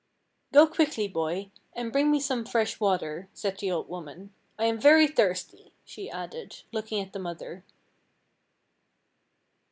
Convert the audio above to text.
"Go quickly, boy, and bring me some fresh water," said the old woman, "I am very thirsty," she added, looking at the mother.